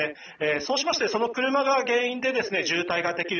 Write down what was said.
そうしましてその車が原因で渋滞ができる。